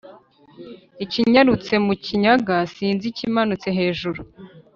ikinyarutse mu kinyaga/ sinzi ikimanutse hejuru/